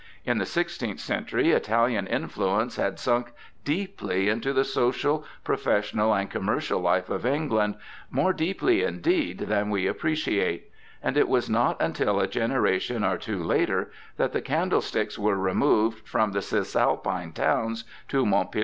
In the sixteenth century Italian influence had sunk deeply into the social, professional, and commercial life of England, more deeply, indeed, than we appreciate ;^ and it was not until a generation or two later that the candlesticks were removed from the Cisalpine towns to 1 Syphilis.